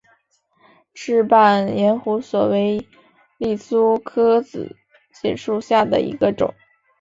齿瓣延胡索为罂粟科紫堇属下的一个种。